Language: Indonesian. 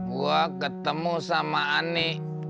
gua ketemu sama ani